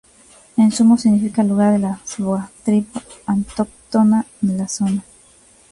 En sumo significa lugar de los boa, tribu autóctona de la zona.